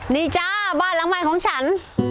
นี่จ้าบ้านรังใหม่ของฉัน